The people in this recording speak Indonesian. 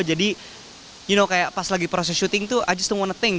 jadi you know kayak pas lagi proses shooting tuh i just wanna think